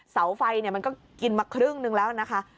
เสาไฟมันก็กินมาครึ่งนึงแล้วนะคะ